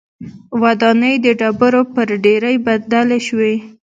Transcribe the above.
ودانۍ د ډبرو پر ډېرۍ بدلې شوې.